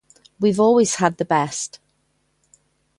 We've always had the best.